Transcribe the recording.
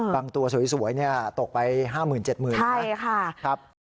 บางตัวสวยตกไป๕๐๐๐๐๗๐๐๐๐บาท